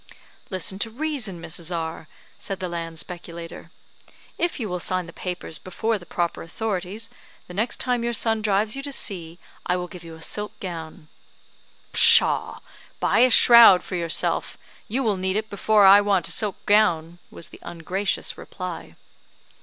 "Listen to reason, Mrs. R ," said the land speculator. "If you will sign the papers before the proper authorities, the next time your son drives you to C , I will give you a silk gown." "Pshaw! Buy a shroud for yourself; you will need it before I want a silk gown," was the ungracious reply.